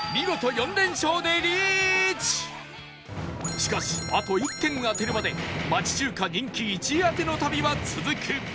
しかしあと１軒当てるまで町中華人気１位当ての旅は続く